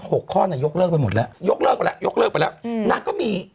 หกข้อนางยกเลิกไปหมดแล้วยกเลิกไปแล้วยกเลิกไปแล้วอืมนางก็มี